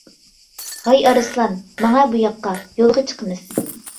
-ھاي ئارسلان، ماڭە بۇ ياققا، يولغا چىقىمىز.